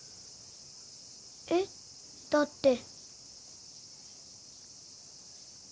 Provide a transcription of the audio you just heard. えっだって。